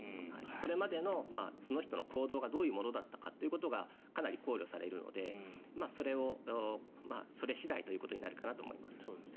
それまでのその人の行動がどういうものだったかがかなり考慮されるのでそれ次第ということになると思います。